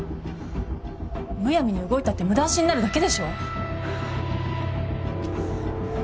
むやみに動いたって無駄足になるだけでしょ。